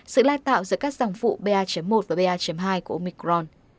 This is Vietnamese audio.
sự lai tạo giữa các dòng phụ pa một và pa hai của omicron